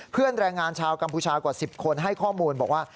แรงงานชาวกัมพูชากว่า๑๐คนให้ข้อมูลบอกว่า